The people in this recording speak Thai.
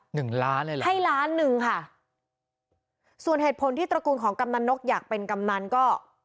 หนึ่งล้านเลยเหรอให้ล้านหนึ่งค่ะส่วนเหตุผลที่ตระกูลของกำนันนกอยากเป็นกำนันก็